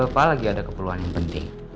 pak lagi ada keperluan yang penting